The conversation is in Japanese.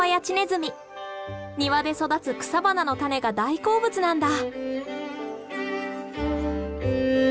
庭で育つ草花のタネが大好物なんだ。